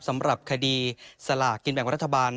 สำหรับคดีสลากกินแบ่งรัฐบาล